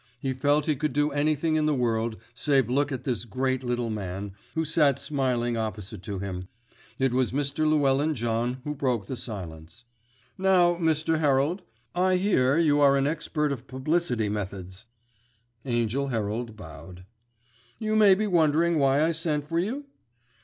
He felt he could do anything in the world save look at this great little man, who sat smiling opposite to him. It was Mr. Llewellyn John who broke the silence. "Now, Mr. Herald. I hear you are an expert of publicity methods." Angell Herald bowed. "You may be wondering why I sent for you?"